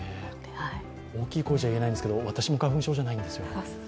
大きい声じゃ言えないんですけど私も花粉症じゃないんです。